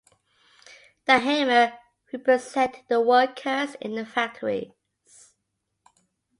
The hammer represented the workers in the factories.